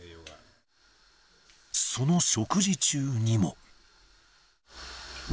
その食事中にも。